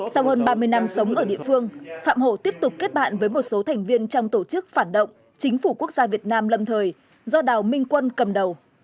sau hơn ba mươi năm sống ở địa phương phạm hổ tiếp tục kết bạn với một số thành viên trong tổ chức phản động chính phủ quốc gia việt nam lâm thời do đào minh quân cầm đầu